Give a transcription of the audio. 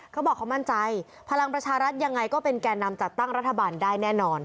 เขาบอกเขามั่นใจพลังประชารัฐยังไงก็เป็นแก่นำจัดตั้งรัฐบาลได้แน่นอน